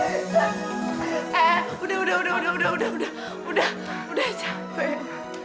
eh udah udah udah udah udah udah udah udah udah capek